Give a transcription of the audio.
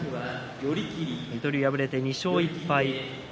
水戸龍は敗れて２勝１敗です。